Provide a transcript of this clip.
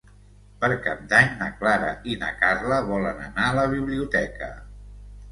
Per Cap d'Any na Clara i na Carla volen anar a la biblioteca.